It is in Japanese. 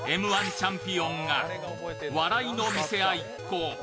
チャンピオンが笑いの見せ合いっこ。